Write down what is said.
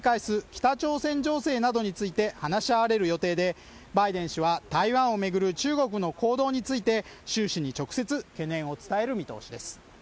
北朝鮮情勢などについて話し合われる予定でバイデン氏は台湾を巡る中国の行動について習氏に直接懸念を伝える見通しです